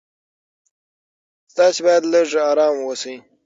تاسو باید لږ ارام اوسئ.